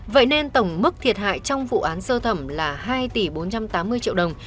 vậy nên tổng mức thiệt hại trong vụ án sơ thẩm là hai tỷ bốn trăm tám mươi triệu đồng